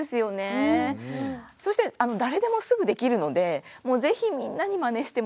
そして誰でもすぐできるのでもう是非みんなにマネしてもらいたい。